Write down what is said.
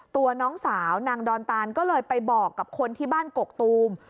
ตัวน้องสาวนางดอนตานก็เลยไปบอกกับคนที่บ้านกกตูม